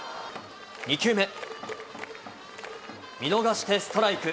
２球目、見逃しでストライク。